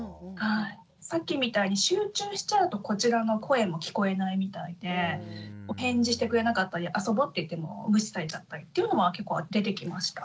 さっきみたいに集中しちゃうとこちらの声も聞こえないみたいでお返事してくれなかったり遊ぼって言っても無視されちゃったりっていうのも結構出てきました。